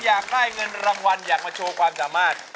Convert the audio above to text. อยากได้เงินรางวัลอยากมาโชว์ความสามารถ